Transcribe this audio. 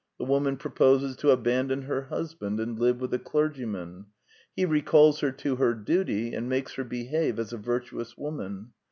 The woman proposes to abandon her husband and live with the clergyman. He recalls her to her duty, and makes her behave as a virtuous woman.